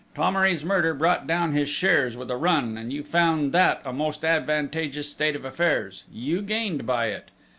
Thomery's murder brought down his shares with a run, and you found that a most advantageous state of affairs you gained by it!...